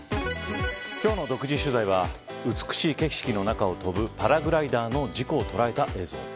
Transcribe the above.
今日の独自取材は美しい景色の中を飛ぶパラグライダーの事故を捉えた映像。